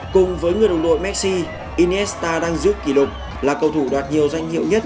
cùng với người đồng đội messi inesta đang giữ kỷ lục là cầu thủ đoạt nhiều danh hiệu nhất